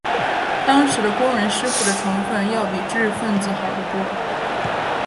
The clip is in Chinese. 当时工人师傅的成分要比知识分子好得多。